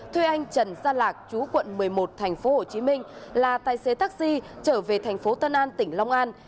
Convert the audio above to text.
thuê anh trần gia lạc chú quận một mươi một tp hcm là tài xế taxi trở về thành phố tân an tỉnh long an